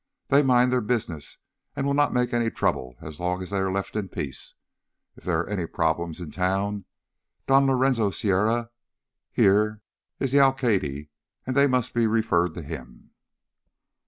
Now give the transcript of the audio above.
They mind their business and will not make any trouble as long as they are left in peace. If there are any problems in town, Don Lorenzo Sierra, here, is the alcalde and they must be referred to him."